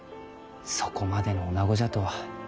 そこまでのおなごじゃとは。